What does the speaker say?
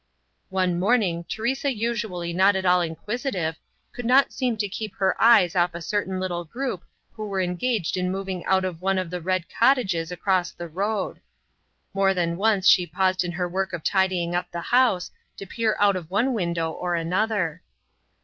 One morning, Teresa usually not at all inquisitive, could not seem to keep her eyes off a certain little group who were engaged in moving out of one of the "Red Cottages" across the road. More than once she paused in her work of tidying up the house to peer out of one window or another.